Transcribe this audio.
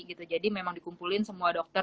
gitu jadi memang dikumpulin semua dokter